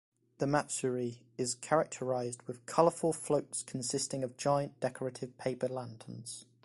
The matsuri is characterized with colourful floats consisting of giant, decorative paper lanterns.